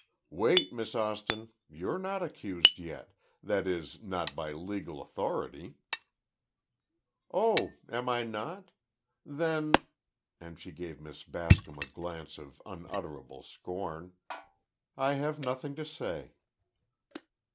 "Wait, Miss Austin. You're not accused yet—that is, not by legal authority." "Oh, am I not? Then—" and she gave Miss Bascom a glance of unutterable scorn, "I have nothing to say."